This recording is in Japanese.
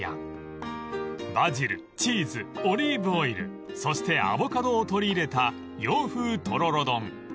［バジルチーズオリーブオイルそしてアボカドを取り入れた洋風とろろ丼］